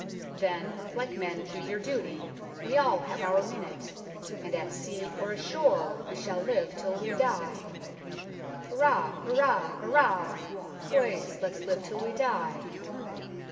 Then like men do your duty ; we have all our minute, And at sea, or ashore, we shall live till we die. Hurra ! hurra I hurra ! boys, let's live till we die.